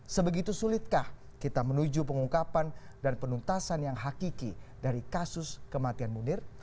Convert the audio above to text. sebegitu sulitkah kita menuju pengungkapan dan penuntasan yang hakiki dari kasus kematian munir